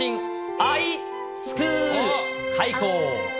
アイスクール開講。